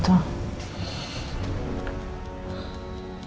kita gak bisa tutup mata dengan mama